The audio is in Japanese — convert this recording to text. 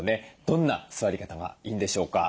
どんな座り方がいいんでしょうか？